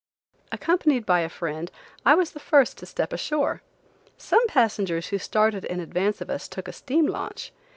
Accompanied by a friend, I was the first to step ashore. Some passengers who started in advance of us, took a steam launch.